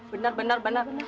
benar benar benar